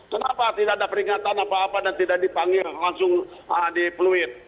kenapa tidak ada peringatan apa apa dan tidak dipanggil langsung di pluit